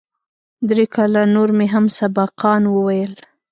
درې کاله نور مې هم سبقان وويل.